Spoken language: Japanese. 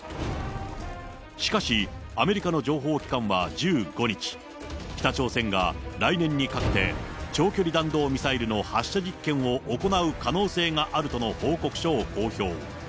しかし、アメリカの情報機関は１５日、北朝鮮が来年にかけて長距離弾道ミサイルの発射実験を行う可能性があるとの報告書を公表。